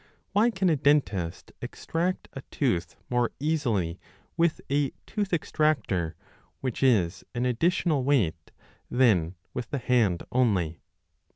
Why can a dentist extract a tooth more easily with a tooth extractor, which is an additional weight, than with the hand only?